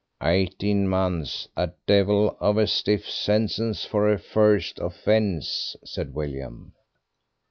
"Eighteen months; a devil of a stiff sentence for a first offence," said William.